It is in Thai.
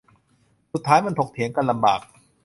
สุดท้ายมันถกเถียงกันลำบาก